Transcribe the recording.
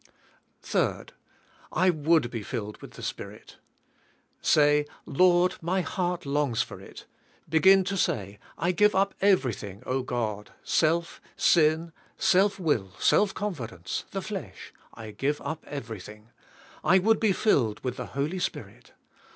3. I zvould be filled with the Spirit. Say, Lord, my heart longs for it. Beg in to say, I g ive up ev erything O, God, self, sin, self will, self confidence, the flesh; I give up everything . I would be filled with the Holy Spirit.